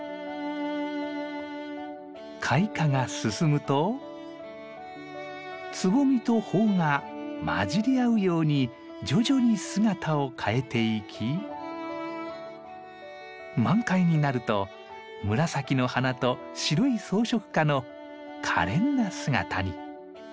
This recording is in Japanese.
開花が進むとつぼみと苞が交じり合うように徐々に姿を変えていき満開になると紫の花と白い装飾花のかれんな姿に。